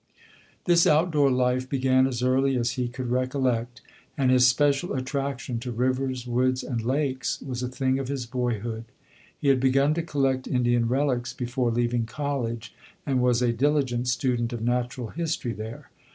This out door life began as early as he could recollect, and his special attraction to rivers, woods, and lakes was a thing of his boyhood. He had begun to collect Indian relics before leaving college, and was a diligent student of natural history there.